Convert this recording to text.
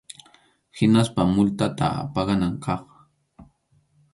Hinaspa multata paganan kaq.